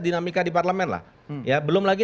dinamika di parlemen lah ya belum lagi